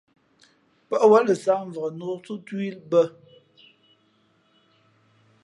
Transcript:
Pά wěn lα sāh mvǎk nǒktú tú i bᾱ.